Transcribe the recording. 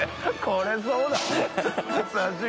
これそうだもん。